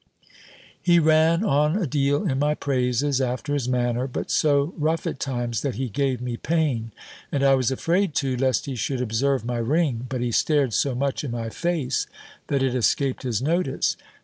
He ran on a deal in my praises, after his manner, but so rough at times, that he gave me pain; and I was afraid too, lest he should observe my ring; but he stared so much in my face, that it escaped his notice.